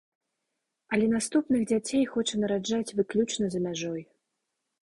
Але наступных дзяцей хоча нараджаць выключна за мяжой.